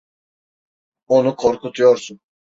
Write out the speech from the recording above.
Onu korkutuyorsun!